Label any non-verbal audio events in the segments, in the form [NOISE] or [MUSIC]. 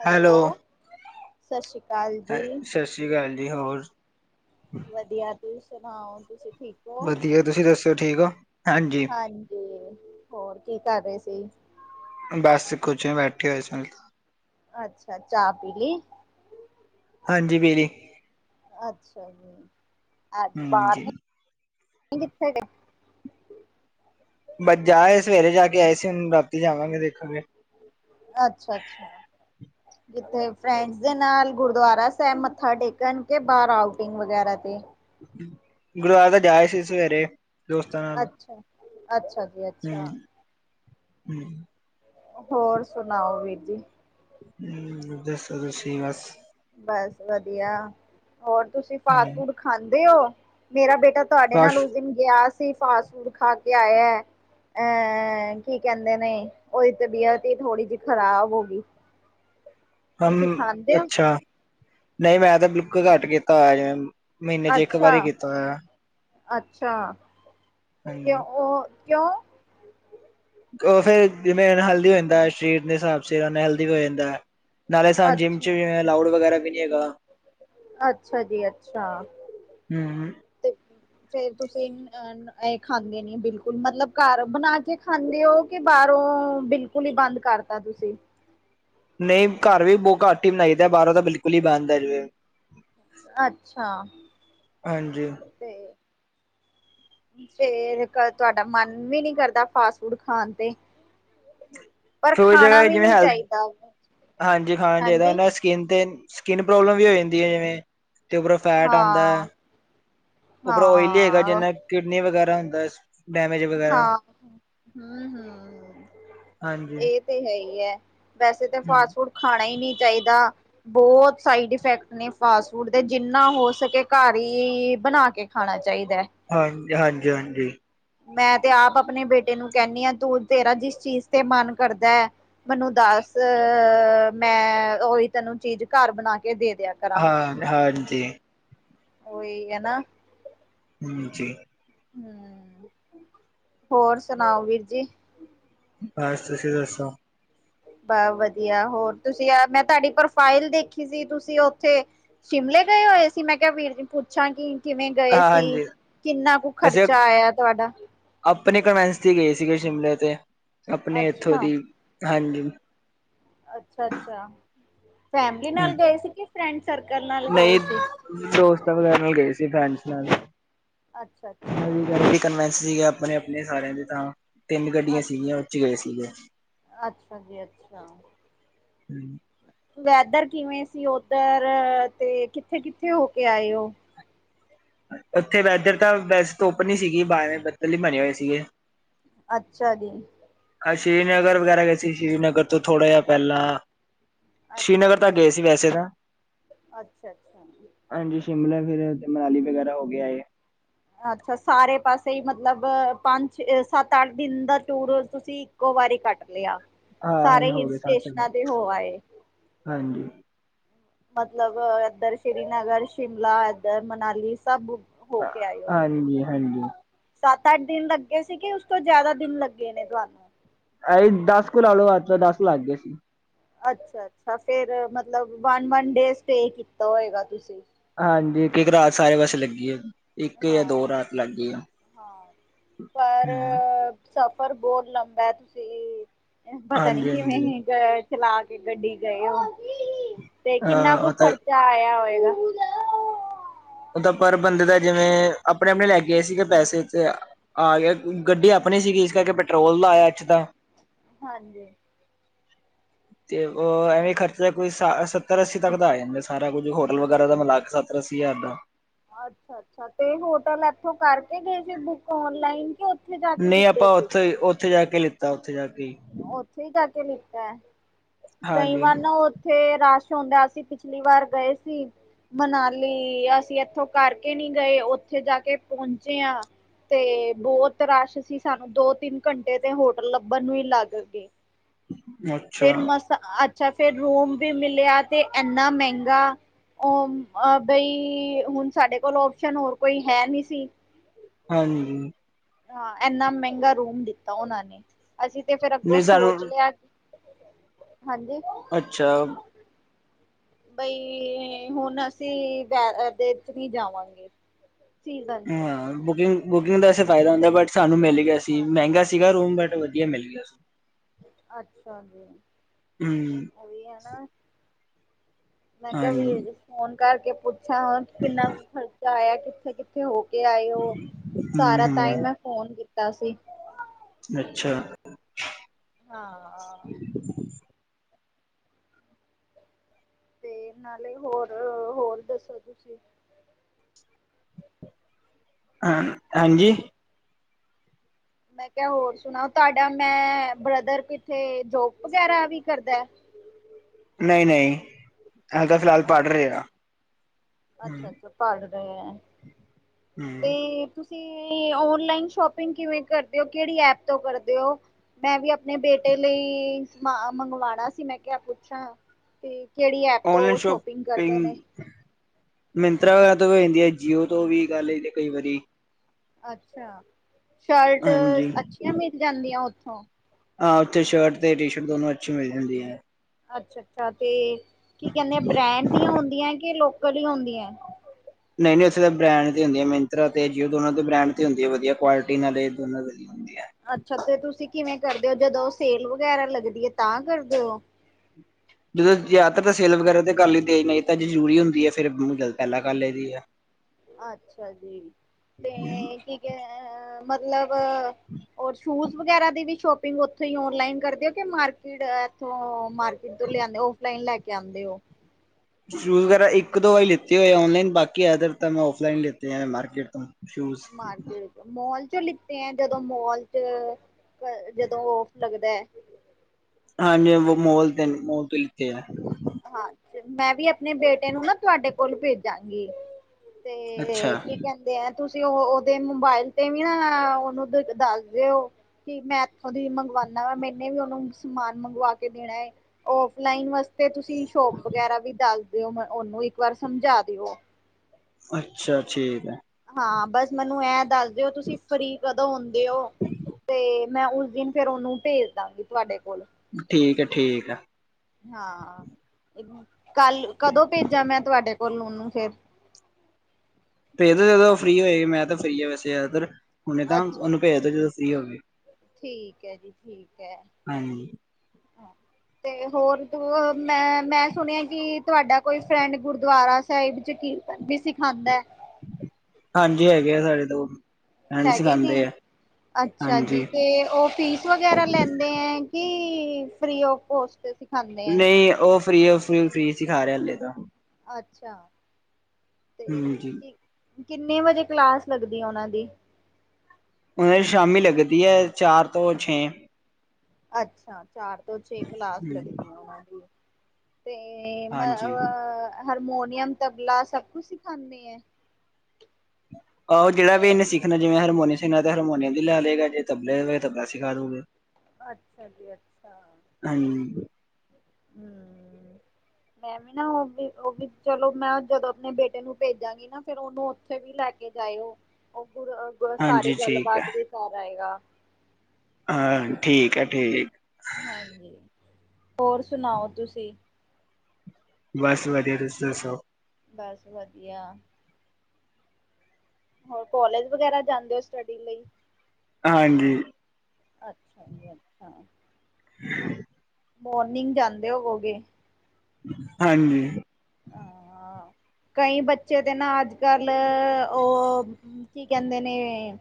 Hello ਸਤਿ ਸ੍ਰੀ ਅਕਾਲ ਜੀ। ਸਤਿ ਸ਼੍ਰੀ ਅਕਾਲ ਜੀ ਹੋਰ- ਵਧੀਆ ਤੂ ਸੁਣਾਓ ਤੁਸੀ ਵਧੀਆ ਤੁਸੀ ਦੱਸੋ ਠੀਕ ਹੋ ਹਾਂਜੀ- ਤੇ ਹੋਰ ਕੀ ਕਰ ਰਹੇ ਸੀ। ਬਸ ਕੁਛ ਬੈਠੇ ਹੋਏ ਸਨ ਅੱਛਾ ਚਾਹ ਪੀਲੀ- ਹਾਂਜੀ ਵੀ ਅੱਛਾ ਜੀ ਅੱਜ ਬਾਹਰ ਹਾਂਜੀ। ਨੀ ਕਿਥੇ ਗਏ - ਬਸ ਜਾ ਆਏ ਸੀ ਸਵੇਰੇ ਜਾ ਕੇ ਆਏ ਸੀ, ਹੁਣ ਰਾਤੀ ਜਾਵਾਂਗੇ ਦੇਖਣ ਅੱਛਾ ਅੱਛਾ। [UNINTELLIGIBLE] [INAUDIBLE] ਜਿੱਥੇ ਫਰੈਂਡਸ ਦੇ ਨਾਲ ਗੁਰਦੁਆਰਾ ਸਾਹਿਬ ਮੱਥਾ ਟੇਕਣ ਕੇ, ਬਾਹਰ ਆਊਟਿੰਗ ਵਗੈਰਾ ਤੇ। ਗੁਰਦੁਆਰੇ ਤਾ ਜਾ ਆਏ ਸੀ ਸਵੇਰੇ। ਦੋਸਤਾ ਨਾਲ, ਅੱਛਾ, ਅੱਛਾ ਜੀ ਹੂ ਅੱਛਾ, ਹੂ। ਹੋਰ ਸੁਣਾਓ ਵੀਰ ਜੀ? ਹੂ, ਦੱਸ ਦ ਸਹੀ ਬਸ। ਬਸ ਵਧੀਆ, ਹੋਰ ਤੁਸੀਂ ਫਾਸਟ ਹੂੰ ਫੂਡ ਖਾਂਦੇ ਹੋ? ਮੇਰਾ ਬੇ ਬੇਟਾ ਤੁਹਾਡੇ ਨਾਲ ਕਾਸ਼ ਉਸ ਦਿਨ ਗਿਆ ਸੀ ਫਾਸਟ ਫੂਡ ਖਾ ਕੇ ਆਇਆ। ਅਹ, ਕੀ ਕਹਿੰਦੇ ਨੇ ਉਹਦੀ ਤਬੀਅਤ ਹੀ ਥੋੜੀ ਜਿਹੀ ਖ਼ਰਾਬ ਹੋ ਗਈ। ਹਮ ਤੁਸੀਂ ਖਾਂਦੇ ਹੋ ਅੱਛਾ, ਨਹੀਂ ਮੈਂ ਤਾਂ ਬਿਲਕੁਲ ਘੱਟ ਕੀਤਾ ਹੋਇਆ ਜਿੰਮ। ਅੱਛਾ, ਅੱਛਾ, ਕਿਉ ਹਾਂਜੀ। ਉਹ ਕਿਉਂ? ਉਹ ਫੇਰ ਜਿਵੇਂ ਅਨਹੈਲਦੀ ਹੋ ਜਾਂਦਾ, ਸਰੀਰ ਦੇ ਹਿਸਾਬ ਨਾਲ ਅਨਹੈਲਦੀ ਹੋ ਜਾਂਦਾ। ਨਾਲੇ ਸਾਡੀ ਜਿੰਮ 'ਚ ਅੱਛਾ। ਵੀ ਲਾਊਡ ਵਗੈਰਾ ਵੀ ਨਹੀਂ ਹੈਗਾ। ਅੱਛਾ ਜੀ ਅੱਛਾ, ਹੂੰ। ਤੇ ਫੇਰ ਤੁਸੀਂ ਇਹ ਖਾਂਦੇ ਨੀ ਬਿਲਕੁਲ, ਮਤਲਬ ਘਰ ਬਣਾ ਕੇ ਖਾਂਦੇ ਹੋ ਕਿ ਬਾਹਰੋਂ, ਬਿਲਕੁਲ ਹੀ ਬੰਦ ਕਰ ਤਾ ਵੀ ਸਹੀ ਨਹੀਂ ਘਰ ਵੀ ਬਹੁਤ ਘੱਟ ਹੀ ਬਣਾਈਦਾ, ਬਾਹਰੋਂ ਤਾਂ ਬਿਲਕੁਲ ਹੀ ਬੰਦ ਏ ਜਿਵੇਂ ਅੱਛਾ। ਹਾਂਜੀ। ਤੇ ਫੇਰ ਤੁਹਾਡਾ ਮਨ ਵੀ ਨੀ ਕਰਦਾ ਫਾਸਟ ਫੂਡ ਖਾਣ ਤੇ। ਪਰ ਸੋਚ ਖਾਣਾ ਵੀ ਜਿਵੇਂ ਨੀ ਹੈਲ, ਚਾਹੀਦਾ ਹਾਂਜੀ ਖਾਣਾ ਹਾਂਜੀ ਚਾਹੀਦਾ ਸਕਿੰਨ ਤੇ, ਸਕਿੰਨ ਪ੍ਰੋਬਲਮ ਵੀ ਹੋ ਜਾਂਦੀ ਏ ਜਿਵੇਂ, ਤੇ ਉਪਰੋਂ ਫੈਟ ਆਂਦਾ ਐ। ਹਾਂ ਉਪਰੋਂ ਓੲਲੀ ਹੈਗਾ, ਹਾਂ ਜਿੰਨਾ ਕਿਡਨੀ ਵਗੈਰਾ ਹੁੰਦਾ ਡੈਮੇਜ ਵਗੈਰਾ ਹਾਂ, ਹੂ ਹੂ ਇਹ ਹਾਂਜੀ। ਏਹ ਤੇ ਹੈ ਹੀ ਐ, ਵੈਸੇ ਤੇ ਹਾਂਜੀ ਫਾਸਟ ਫੂਡ ਖਾਣਾ ਹੀ ਨਹੀਂ ਚਾਹੀਦਾ। ਬਹੁਤ ਸਾਈਡ ਇਫੈਕਟ ਨੇ ਫਾਸਟ ਫੂਡ ਦੇ, ਜਿੰਨਾ ਹੋ ਸਕੇ ਘਰ ਹੀ, ਬਣਾ ਕੇ ਖਾਣਾ ਚਾਹੀਦਾ ਐ। ਹਾਂਜੀ- ਹਾਂਜੀ- ਹਾਂਜੀ। ਮੈਂ ਤੇ ਆਪ ਆਪਣੇ ਬੇਟੇ ਨੂੰ ਕਹਿੰਦੀ ਹਾਂ ਤੂੰ ਤੇਰਾ ਜਿਸ ਚੀਜ਼ ਤੇ ਮਨ ਕਰਦਾ ਐ ਮੈਨੂੰ ਦੱਸ, ਮੈਂ ਉਹੀ ਤੈਨੂੰ ਚੀਜ਼ ਘਰ ਬਣਾ ਕੇ ਦੇ ਦਿਆਂ। ਹਾਂ, ਹਾਂਜੀ। ਓਹੀ ਹਨਾ। ਹੂ ਜੀ। ਹੂ, ਹੋਰ ਸੁਣਾਓ ਵੀਰ ਜੀ? ਬਸ, ਤੁਸੀਂ ਦੱਸੋ? ਬ ਵਧੀਆ ਹੋਰ ਤੁਸੀਂ, ਮੈਂ ਤੁਹਾਡੀ ਪ੍ਰੋਫਾਈਲ ਦੇਖੀ ਸੀ ਤੁਸੀਂ ਉੱਥੇ ਸ਼ਿਮਲੇ ਗਏ ਹੋਏ ਸੀ, ਮੈਂ ਕਿਹਾ ਵੀਰ ਨੂੰ ਪੁੱਛਾਂਗੀ। ਕਿਵੇਂ ਗਏ ਸੀ, ਹਾਂਜੀ ਕਿੰਨਾ ਕੁ ਅਸੀਂ ਖਰਚਾ ਆਇਆ ਤੁਹਾਡਾ? ਆਪਣੇ ਕਨਵੈਂਸ ਦੀ ਗਏ ਸੀਗੇ ਸ਼ਿਮਲੇ ਤੇ, ਆਪਣੇ ਇੱਥੋਂ ਅੱਛਾ ਦੀ, ਹਾਂਜੀ। ਅੱਛਾ- ਅੱਛਾ, ਫੈਮਲੀ ਨਾਲ ਗਏ ਸੀ ਕਿ ਫਰੈਂਡ ਸਰਕਲ ਨਾਲ ਗਏ ਸੀ? ਹਾਂਜੀ ਦੋਸਤਾਂ ਵਗੈਰਾ ਨਾਲ ਗਏ ਸੀ, ਫਰੈਂਡਸ ਨਾਲ ਅੱਛਾ ਅੱਛਾ ਕਨਵੈਂਸ ਸੀਗੇ ਆਪਣੇ- ਆਪਣੇ ਸਾਰਿਆਂ ਦੇ ਤਾਂ, ਤਿੰਨ ਗੱਡੀਆਂ ਅੱਛਾ ਸੀਗੀਆਂ ਉਹ 'ਚ ਗਏ ਸੀਗੇ। ਅੱਛਾ ਜੀ ਅੱਛਾ। ਹੂ। ਵੈਦਰ ਕਿਵੇਂ ਸੀ ਓਧਰ, ਤੇ ਕਿੱਥੇ- ਕਿੱਥੇ ਹੋ ਕੇ ਆਏ ਹੋ? ਉੱਥੇ ਵੈਦਰ ਤਾਂ ਵੈਸੇ ਧੁੱਪ ਨੀ ਸੀਗੀ, ਮਾੜੇ ਬੱਦਲ ਹੀ ਬਣੇ ਹੋਏ ਸੀਗੇ। ਅੱਛਾ ਜੀ। ਹਾਂ ਸ਼੍ਰੀਨਗਰ ਵਗੈਰਾ ਗਏ ਸੀ। ਸ਼੍ਰੀਨਗਰ ਤੋਂ ਥੋੜ੍ਹਾ ਜਿਹਾ ਪਹਿਲਾਂ ਅੱਛਾ ਸ਼੍ਰੀਨਗਰ ਤਾਂ ਜੀ, ਗਏ ਸੀ ਵੈਸੇ ਤਾਂ ਅ ਅੱਛਾ ਅੱਛਾ। ਹਾਂਜੀ ਸ਼ਿਮਲਾ ਫੇਰ ਮਨਾਲੀ ਵਗੈਰਾ ਹੋ ਕੇ ਆਏ। ਅੱਛਾ ਸਾਰੇ ਪਾਸੇ ਮਤਲਬ ਪੰਜ ਸੱਤ ਅੱਠ ਦਿਨ ਦਾ ਟੂਰ ਤੁਸੀਂ ਇੱਕੋ ਵਾਰੀ ਕੱਟ ਲਿਆ ਸਾਰੇ ਹਾਂ ਹੋ ਹੀਲ ਗਏ ਸੱਤ ਸਟੇਸ਼ਨਾਂ ਤੇ ਹੋ ਆਏ। ਹਾਂਜੀ। ਮਤਲਬ ਇੱਧਰ ਸ਼੍ਰੀਨਗਰ ਸ਼ਿਮਲਾ ਇੱਧਰ ਮਨਾਲੀ ਸਭ ਹੋ ਕੇ ਆਈਓ। ਹਾਂਜੀ ਹਾਂਜੀ ਸੱਤ ਅੱਠ ਦਿਨ ਲੱਗੇ ਸੀਗੇ ਉਸ ਤੋਂ ਜ਼ਿਆਦਾ ਦਿਨ ਲੱਗੇ ਨੇ ਤੁਹਾਨੂੰ। ਅ ਦਸ ਕੁ ਲਾ ਲਓ, ਅੱਠ ਤੋ ਦਸ ਕੁ ਲੱਗ ਗਏ ਸੀ। ਅੱਛਾ, ਅੱਛਾ ਫੇਰ ਮਤਲਬ ਵਨ, ਵਨ ਡੇ ਸਟੇ ਕੀਤਾ ਹੋਏਗਾ ਤੁਸੀਂ। ਹਾਂਜੀ ਇਕ ਇਕ ਰਾਤ ਸਾਰੇ ਵੈਸੇ ਲੱਗੀ ਹੈ। ਇੱਕ ਜਾਂ ਦੋ ਹਾਂ, ਰਾਤ ਲੱਗ ਗਈ ਆ ਹਾਂ ਪਰ ਹਮ ਸਫ਼ਰ ਬਹੁਤ ਲੰਬਾ ਤੁਸੀਂ ਪਤਾ ਨੀ ਹਾਂਜੀ ਹਾਂਜੀ ਕਿਵੇਂ ਗਏ ਚਲਾ ਕੇ ਗੱਡੀ ਗਏ ਹੋ, ਤੇ ਕਿੰਨਾ ਅਹ ਕੁ ਉਹ ਤਾਂ ਖਰਚਾ ਆਇਆ ਹੋਏਗਾ। ਉਹਦਾ ਪਰ ਬੰਦੇ ਦਾ ਜਿਵੇਂ ਆਪਣੇ, ਆਪਣੇ ਲੈ ਕੇ ਗਏ ਸੀ ਪੈਸੇ ਤੇ ਆ ਗਿਆ ਗੱਡੀ ਆਪਣੀ ਸੀਗੀ ਇਸ ਕਰਕੇ ਪੈਟਰੋਲ ਦਾ ਆਇਆ ਐਸਟਰਾਂ ਹਾਂਜੀ। [UNINTELLIGIBLE] ਤੇ ਉਹ ਐਵੇਂ ਖਰਚਾ ਕੋਈ ਸੱਤਰ ਅੱਸੀ ਤੱਕ ਦਾ ਆ ਜਾਂਦਾ ਸਾਰਾ ਕੁੱਝ ਹੋਟਲ ਵਗੈਰਾ ਦਾ ਮਿਲਾ ਕੇ ਸਬ। [UNINTELLIGIBLE] ਅੱਛਾ, ਅੱਛਾ ਤੇ ਹੋਟਲ ਇੱਥੋਂ ਕਰਕੇ ਗਏ ਸੀ ਬੁੱਕ ਔਨਲਾਈਨ ਕੇ ਔਥੇ ਜਾ ਨਹੀਂ ਆਪਾਂ ਉੱਥੇ ਉੱਥੇ ਜਾ ਕੇ ਲਿੱਤਾ ਉੱਥੇ ਜਾ ਕੇ ਹੀ ਉੱਥੇ ਹੀ ਜਾਕੇ ਲਿਤਾ ਹੈ ਕਈ ਹਾਂਜੀ ਵਾਰ ਨਾ ਉੱਥੇ ਰਸ਼ ਹੁੰਦਾ ਸੀ ਪਿਛਲੀ ਵਾਰ ਗਏ ਸੀ। ਮਨਾਲੀ ਅਸੀਂ ਇੱਥੋਂ ਕਰਕੇ ਨਹੀਂ ਗਏ ਉੱਥੇ ਜਾ ਕੇ ਪਹੁੰਚੇ ਆ ਤੇ ਬਹੁਤ ਰਸ਼ ਸੀ ਸਾਨੂੰ ਦੋ ਤਿੰਨ ਘੰਟੇ ਤੇ ਹੋਟਲ ਲੱਭਣ ਨੂੰ ਹੀ ਲੱਗ ਕਰਕੇ ਅੱਛਾ ਫਿਰ ਮਸਤ ਅੱਛਾ ਫਿਰ ਰੂਮ ਵੀ ਮਿਲਿਆ ਤੇ ਇਨਾ ਮਹਿੰਗਾ ਉਹ ਬਈ ਹੁਣ ਸਾਡੇ ਕੋਲ ਓਪਸ਼ਨ ਹੋਰ ਕੋਈ ਹੈ ਨਹੀਂ ਸੀ। ਹਾਂਜੀ। ਹਾਂ ਇਨਾ ਮਹਿੰਗਾ ਰੂਮ ਦਿੱਤਾ ਉਹਨਾਂ ਨੇ ਅਸੀਂ ਤੇ ਫਿਰ ਅੱਗੋਂ ਨਹੀਂ ਸਾਨੂੰ ਸੋਚ ਲਿਆ ਹਾਂਜੀ। ਅੱਛਾ। ਬਈ ਹੁਣ ਅਸੀਂ ਏਦੇ ਚ ਨਹੀਂ ਜਾਵਾਂਗੇ। ਸੀਜ਼ਨ ਚ ਹਾਂ ਬੁਕਿੰਗ, ਬੁਕਿੰਗ ਦਾ ਵੇਸੇ ਫਾਇਦਾ ਹੁੰਦਾ ਬਟ ਸਾਨੂੰ ਮਿਲ ਗਿਆ ਸੀ ਹਾਂ ਮਹਿੰਗਾ ਸੀਗਾ ਰੂਮ ਬਟ ਵਧੀਆ ਮਿਲ ਗਿਆ। ਅੱਛਾ ਜੀ। ਹੂ ਵੀ ਹੈਨਾ ਮੈਂ ਕਿਹਾ ਹਾਂਜੀ ਵੀਰ ਫੋਨ ਕਰਕੇ ਪੁੱਛ ਅੱਛਾ ਹ ਕਿੰਨਾ ਖਰਚਾ ਆਇਆ ਕਿੱਥੇ, ਕਿੱਥੇ ਹੋ ਕੇ ਆਏ ਹੋ ਹੂੰ ਸਾਰਾ ਤਾਈ ਹੂੰ ਨਾ ਫੋਨ ਕੀਤਾ ਸੀ। ਅੱਛਾ। ਹਾਂ [UNINTELLIGIBLE] ਤੇ ਨਾਲੇ ਹੋਰ ਹੋਰ ਦੱਸੋ ਤੁਸੀਂ? ਹਾਂ ਹਾਂਜੀ। ਮੈਂ ਕਿਹਾ ਹੋਰ ਸੁਣਾਉ ਤੁਹਾਡਾ ਮੈਂ ਬ੍ਰਦਰ ਕਿਥੇ ਜੋਬ ਵਗੈਰਾ ਵੀ ਕਰਦਾ। ਨਹੀਂ, ਨਹੀਂ ਹਾਲੇ ਤਾਂ ਫਿਲਹਾਲ ਪੜ੍ਹ ਅੱਛਾ ਰਿਹਾ। ਭੜ ਗਏ ਆ ਹੂੰ ਤੇ ਤੁਸੀਂ ਓਨਲਾਈਨ ਸ਼ੋਪਿੰਗ ਕਿਵੇਂ ਕਰਦੇ ਹੋ? ਕਿਹੜੀ ਐਪ ਤੋਂ ਕਰਦੇ ਹੋ? ਮੈਂ ਵੀ ਆਪਣੇ ਬੇਟੇ ਲਈ ਮੰਗਵਾਉਣਾ ਸੀ। ਮੈਂ ਕਿਹਾ ਪੁੱਛਾਂ ਤੇ ਕਿਹੜੀ ਐਪ ਤੋਂ ਸ਼ੋਪਿੰਗ ਕਰਦੇ ਨੇ? ਸ਼ੌਪਿੰਗ ਮਿੰਤਰਾ ਵਗੈਰਾ ਤੋਂ ਵੀ ਹੋਜਾਂਦੀ ਹੈ ਜੀ ਊਜ਼ ਤੋਂ ਵੀ ਗੱਲ ਇਹ ਕਈ ਵਾਰੀ ਅੱਛਾ ਸ਼ਰਟ ਹਾਂਜੀ ਅੱਛੀਆਂ ਮਿਲ ਜਾਂਦੀਆਂ ਉੱਥੋਂ ਹਾਂ ਉੱਥੇ ਸ਼ਰਟ ਤੇ ਟੀ ਸ਼ਰਟ ਦੋਨੋ ਅੱਛੀ ਮਿਲ ਜਾਂਦੀ ਹੈ। ਅੱਛਾ ਅੱਛਾ ਤੇ ਕੀ ਕਹਿੰਦੇ ਆ ਬ੍ਰੈਂਡ ਦੀਆਂ ਹੁੰਦੀਆਂ ਕਿ ਲੋਕਲ ਹੀ ਹੁੰਦੀਆਂ ਨਹੀਂ ਨਹੀਂ ਉੱਥੇ ਬ੍ਰੈਂਡ ਤੇ ਹੁੰਦੀ ਹੈ। ਮਿੰਤਰਾ ਤੇ ਜੀਓ ਦੋਨੋ ਦੇ ਬ੍ਰੈਂਡ ਤੇ ਹੀ ਹੁੰਦੀ ਹੈ। ਵਧੀਆ ਕੁਆਲਟੀ ਨਾਲੇ ਦੋਨੋ ਦੇ ਵਧੀਆ ਅੱਛਾ ਤੇ, ਤੁਸੀਂ ਕਿਵੇਂ ਕਰਦੇ ਹੋ? ਜਦੋਂ ਸੇਲ ਵਗੈਰਾ ਲੱਗਦੀ ਹੈ। ਤਾਂ ਕਰਦੇ ਹੋ ਜਦੋਂ ਯ ਤਾਂ ਤਾਂ ਸੇਲ ਵਗੈਰਾ ਦੇ ਕਰ ਲਈ ਦੇ ਨਹੀਂ ਤਾਂ ਜਰੂਰੀ ਹੁੰਦੀ ਹੈ। ਫਿਰ ਗੱਲ ਪਹਿਲਾਂ ਕਰ ਲਈ ਦੀ ਹੈ [UNINTELLIGIBLE] ਅੱਛਾ ਜੀ ਤੇ ਕੀ ਕ ਮਤਲਬ ਰ ਸ਼ੂਜ ਵਗੈਰਾ ਦੀ ਵੀ ਸ਼ੋਪਿੰਗ ਉੱਥੇ ਔਨਲਾਈਨ ਕਰਦੇ ਹੋ ਕਿ ਮਾਰਕੀਟ ਥੋਂ ਮਾਰਕੀਟ ਤੋਂ ਲਿਆਂਦੇ ਫਲਾਈਨ ਲੈ ਕੇ ਆਉਂਦੇ ਹੋ। ਸ਼ੂਜ਼ ਵਗੈਰਾ ਇੱਕ, ਦੋ ਵਾਰੀ ਲਤੀ ਹੋਏ ਔਨਲਾਈਨ ਬਾਕੀ ਅਦਰ ਤਾਂ ਮੈਂ ਔਫਲਾਈਨ ਲਤੀ ਆ ਮਾਰਕੀਟ ਤੋਂ ਸ਼ੂਜ਼ ਮਾਰਕੀਟ ਮੋਲ ਚੋਂ ਲਿੱਤੇ ਆ ਜਦੋਂ ਮੋਲ ਚ ਜਦੋਂ ਔਫ ਲੱਗਦਾ ਹੈ। ਹਾਂਜੀ ਮੋਲ ਤੇ ਮੋਲ ਤੋਂ ਲਿਤੇ ਆ। ਹਾਂ ਮੈਂ ਵੀ ਆਪਣੇ ਬੇਟੇ ਨੂੰ ਨਾ ਤੁਹਾਡੇ ਕੋਲ ਭੇਜਾਂਗੀ। ਅੱਛਾ ਤੇ ਕੀ ਕਹਿੰਦੇ ਆ। ਤੁਸੀਂ ਉਹ ਉਹ ਓਦੇ ਮੋਬਾਇਲ ਤੇ ਵੀ ਨਾ ਉਹਨੂੰ ਦੱਸ ਦੇਓ। ਕਿ ਮੈਂ ਇੱਥੋਂ ਦੀ ਮੰਗਵਾਉਣਾ ਵਾ ਮੈਨੇ ਵੀ ਉਹਨੂੰ ਸਮਾਨ ਮੰਗਵਾ ਕੇ ਦੇਣਾ ਹੈ। ਓਫਲਾਈਨ ਵਾਸਤੇ ਤੁਸੀਂ ਸ਼ੋਪ ਵਗੈਰਾ ਵੀ ਦੱਸ ਦਿਓ ਉਹਨੂੰ ਇੱਕ ਵਾਰ ਸਮਝਾ ਦਿਓ। ਅੱਛਾ ਠੀਕ ਹੈ। ਹਾਂ ਬੱਸ ਮੈਨੂੰ ਐ ਦੱਸ ਦਿਓ ਤੁਸੀਂ ਫਰੀ ਕਦੋਂ ਆਉਂਦੇ ਹੋ ਤੇ ਮੈਂ ਉਸ ਦਿਨ ਫੇਰ ਉਹਨੂੰ ਭੇਜ ਦਾਂਗੀ ਤੁਹਾਡੇ ਕੋਲ ਠੀਕ ਹੈ ਠੀਕ ਆ ਹਾਂ ਕੱਲ ਕਦੋਂ ਭੇਜਾਂ ਮੈਂ ਤੁਹਾਡੇ ਕੋਲ ਉਹਨੂੰ ਫੇਰ ਭੇਜੋ ਜਦੋਂ ਉਹ ਫ੍ਰਰੀ ਹੋਏਗੀ ਮੈਂ ਤਾਂ ਫਰੀ ਆ ਵੈਸੇ ਜ਼ਿਆਦਾਤਰ ਹੁਣੇ ਤਾਂ ਅੱਛਾ ਉਹਨੂੰ ਭੇਜ ਦਿ ਜਦੋਂ ਫਰੀ ਹੋ ਗ ਠੀਕ ਹੈ ਜੀ ਠੀਕ ਹੈ ਮੈਂ ਤੇ ਹੋਰ ਤੂੰ ਮੈਂ ਮੈਂ ਸੁਣਿਆ ਕਿ ਤੁਹਾਡਾ ਕੋਈ ਫਰੈਂਡ ਗੁਰਦੁਆਰਾ ਸਾਹਿਬ ਚ ਕੀ ਵੀ ਸਿਖਾਉਂਦਾ ਹਾਂਜੀ ਹੈਗੇ ਆ ਸਾਡੇ ਤੋਂ ਫਰੈਂਡ ਹੈਗੇ ਨੇ, ਸਿਖਾਉਂਦੇ ਆ ਅੱਛਾ ਜੀ ਹਾਂਜੀ ਤੇ ਉਹ ਫੀਸ ਵਗੈਰਾ ਲੈਂਦੇ ਦੇ ਕਿ ਫ੍ਰਰੀ ਔ ਕੋਸਟ ਦਿੰਦੇ ਨਹੀ। ਉਹ ਫਰੀ ਉਸਨੂੰ ਫ੍ਰਰੀ ਸਿਖਾ ਰਿਹਾ। ਹੱਲੇ ਤਾਂ ਅੱਛਾ। ਤੇ ਹਾਂਜੀ ਠੀਕ ਕਿੰਨੇ ਵਜੇ ਕਲਾਸ ਲੱਗਦੀ ਹੈ। ਉਹਨਾਂ ਦੀ? ਉਹ ਸ਼ਾਮੀ ਲੱਗਦੀ ਹੈ। ਚਾਰ ਤੋਂ ਛੇ ਅੱਛਾ। ਚਾਰ ਤੋਂ ਛੇ ਕਲਾਸ ਲੱਗਦੀ ਉਹਨਾਂ ਦੀ। ਤੇ ਮ ਹਾਂਜੀ ਅ ਹਰਮੋਨੀਅਮ, ਤਬਲਾ ਸਭ ਕੁਛ ਸਿਖਾਦੇ ਆ। ਆਹੋ। ਜਿਹੜਾ ਇੰਨੇ ਸਿੱਖਣਾ ਜਿਵੇਂ ਹਰਮੋਨ ਸਿੱਖਣਾ, ਹਰਮੋਨੀਅਮ ਲੈ ਲਗਾ। ਜੇ ਤਬਲੇ ਹੋ ਤਬਲਾ ਸਿਖਾ ਦੂਗਾ ਅੱਛਾ ਜੀ-ਅੱਛਾ, ਹਾਂਜੀ ਹੂੰ [UNINTELLIGIBLE] ਮੈਂ ਵੀ ਨਾ ਉਹ ਵੀ-ਉਹ ਵੀ ਚਲੋ ਮੈਂ ਜਦੋਂ ਆਪਣੇ ਬੇਟੇ ਨੂੰ ਭੇਜਾਂਗੀ ਨਾ। ਫੇਰ ਉਹਨੂੰ। ਫੇਰ ਵੀ ਲੈ ਕੇ ਜਾਇਓ। ਉਹ ਪ ਪੂ ਸਾਰੀ ਹਾਂਜੀ ਠੀਕ ਹੈ ਗੱਲਬਾਤ ਵੀ ਕਰ ਆਏਗਾ। ਹਾਂ। ਠੀਕ ਹੈ-ਠੀਕ ਹੋਰ ਸੁਣਾਓ, ਤੁਸੀਂ? ਬਸ ਵਧੀਆ, ਤੁਸੀਂ ਦੱਸੋ? ਬਸ ਵਧੀਆ। ਹੋਰ ਕੋਲੇਜ ਵਗੈਰਾ ਜਾਂਦੇ ਔ ਸਟੱਡੀ ਲਈ। ਹਾਂਜੀ। ਅੱਛਾ ਜੀ ਅੱਛਾ। [INAUDIBLE] ਮੋਰਨਿੰਗ ਜਾਂਦੇ ਹੋਵੋਗੇ? ਹਾਂਜੀ। ਆ। ਕਈ ਬੱਚੇ ਤੇ ਨਾ ਅੱਜ-ਕੱਲ ਓ ਕੀ ਕੈੰਦੇ ਨੇ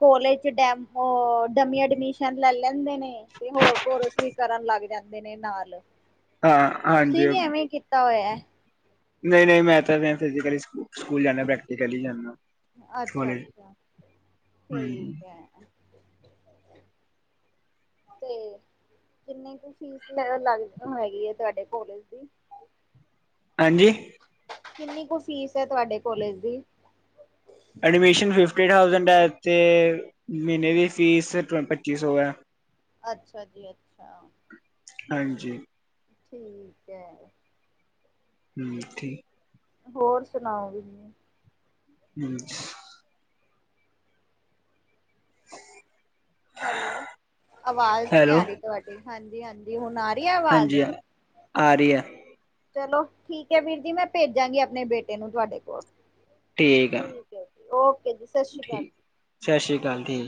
ਕੋਲੇਜ ਚ ਡੈਮ ਹੋਰ ਡਮੀ ਐਡਮਿਸ਼ਨ ਲੈ ਲੈਂਦੇ ਨੇ, ਤੇ ਹੋਰ ਕੋਰਸ ਵੀ ਕਰਨ ਲੱਗ ਜਾਂਦੇ ਨੇ ਨਾਲ। ਹਾਂ ਤੁਸੀਂ ਹਾਂਜੀ ਨੀ ਐਵੇਂ ਈ ਕੀਤਾ ਹੋਇਆ? ਨਹੀਂ ਨਹੀਂ ਮੈਂ ਤਾਂ ਮੈਂ ਫਿਜੀਕਲੀ ਸਕੂਲ ਜਾਣਾ, ਪ੍ਰੈਕਟੀਕਲੀ ਜਾਣਾ। ਅੱਛਾ-ਅੱਛਾ, ਹਾਂਜੀ ਠੀਕ ਹੈ। [INAUDIBLE] ਤੇ ਕਿੰਨੀ ਕੁ ਫੀਸ ਲੱ ਲੱਗ ਹੈਗੀ ਏ ਤੁਹਾਡੇ ਕੋਲੇਜ ਦੀ? ਹਾਂਜੀ। ਕਿੰਨੀ ਕੁ ਫੀਸ ਹੈ ਤੁਹਾਡੇ ਕੋਲੇਜ ਦੀ? ਐਡਮਿਸ਼ਨ ਫਿਫਟੀ ਥਾਉਸੰਡ ਹੈ ਤੇ, ਮਹੀਨੇ ਦੀ ਫੀਸ ਟਵ ਪੱਚੀ ਸੌ ਹੈ। ਅੱਛਾ ਜੀ ਅੱਛਾ। ਹਾਂਜੀ। ਠੀਕ ਹੈ। ਹੂੰ, ਠੀਕ- ਹੋਰ ਸੁਣਾਓ ਵੀ? ਹੂੰ। ਹੈਲੋ, ਅਵਾਜ਼ ਨੀ ਹੈਲੋ ਆ ਰਹੀ ਤੁਹਾਡੀ, ਹਾਂਜੀ ਹਾਂਜੀ। ਹੁਣ ਆ ਰਹੀ ਐ ਅਵਾਜ਼? ਆਰੀ ਐ। ਚਲੋ ਠੀਕ ਹੈ ਵੀਰ ਜੀ, ਮੈਂ ਭੇਜਾਂਗੀ ਆਪਣੇ ਬੇਟੇ ਨੂੰ ਤੁਹਾਡੇ ਕੋਲ। ਠੀਕ ਐ। ਓਕੇ ਜੀ, ਸਤ ਸ਼੍ਰੀ ਕਾਲ। ਸਾ ਸ਼੍ਰੀ ਕਾਲ ਦੀ।